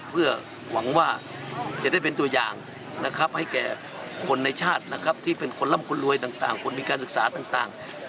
เพื่อหวังว่าจะได้เป็นตัวอย่างนะครับให้แก่คนในชาตินะครับที่เป็นคนร่ำคนรวยต่างคนมีการศึกษาต่าง